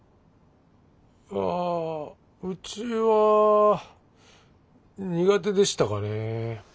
ああうちは苦手でしたかね。